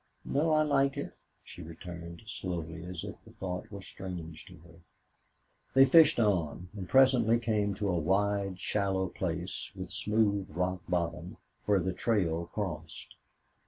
"No I like it," she returned, slowly, as if the thought were strange to her. They fished on, and presently came to a wide, shallow place with smooth rock bottom, where the trail crossed.